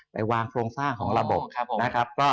ไปวางโครงสร้างของระบบ